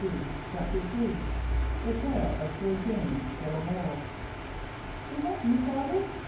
CHAPTER III. THE TALE OF SIR JAMES DE LA MOLLE "Is that you, father?"